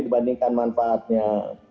tapi kita harus mencari manfaatnya